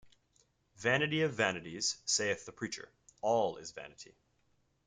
Vanity of vanities, saith the preacher; all is vanity.